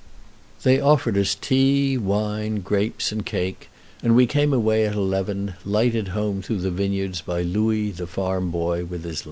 They offered us tea, wine, grapes, and cake, and we came away at eleven, lighted home through the vineyards by Louis, the farm boy, with his lantern.